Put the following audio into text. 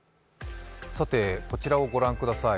こちらをご覧ください。